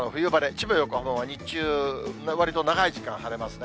千葉、横浜は日中、わりと長い時間晴れますね。